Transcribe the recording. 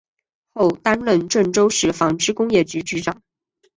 后担任郑州市纺织工业局局长。